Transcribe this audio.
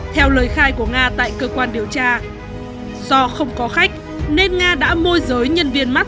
theo lời khai của nga tại cơ quan điều tra do không có khách nên nga đã môi giới nhân viên mắt